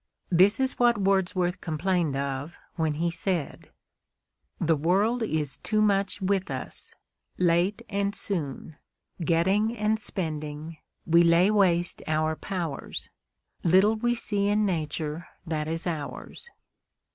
This is what Wordsworth complained of when he said: The world is too much with us; late and soon, Getting and spending, we lay waste our powers. Little we see in Nature that is ours.